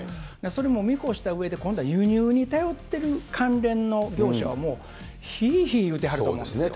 それも見越したうえで、今度は輸入に頼っている関連の業者はもう、ひいひい言うてはると思うんですよ。